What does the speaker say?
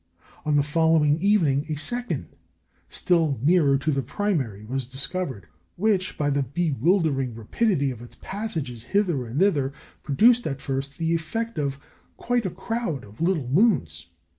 On the following evening a second, still nearer to the primary, was discovered, which, by the bewildering rapidity of its passages hither and thither, produced at first the effect of quite a crowd of little moons.